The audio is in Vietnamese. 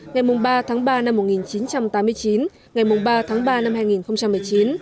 ngày ba tháng ba năm một nghìn chín trăm tám mươi chín ngày ba tháng ba năm hai nghìn một mươi chín